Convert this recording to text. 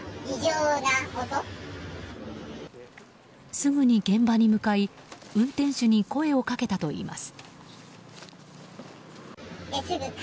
すぐに現場に向かい運転手に声をかけたといいます。